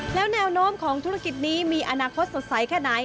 แล้วแนวโน้มของธุรกิจนี้มีอนาคตสดใสแค่ไหน